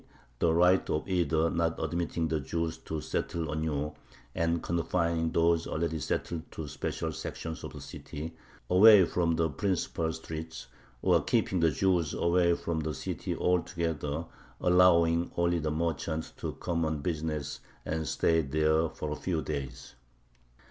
e._ the right of either not admitting the Jews to settle anew, and confining those already settled to special sections of the city, away from the principal streets, or keeping the Jews away from the city altogether, allowing only the merchants to come on business and stay there for a few days.